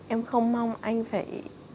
em không mong anh phải